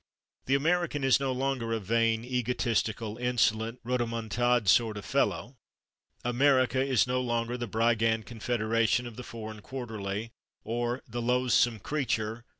The American is no longer a [Pg076] "vain, egotistical, insolent, rodomontade sort of fellow"; America is no longer the "brigand confederation" of the /Foreign Quarterly/ or "the loathsome creature